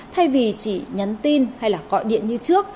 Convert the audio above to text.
thay vì chỉ nhắn tin hay là gọi điện như trước